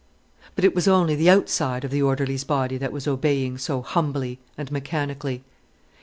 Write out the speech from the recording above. But it was only the outside of the orderly's body that was obeying so humbly and mechanically.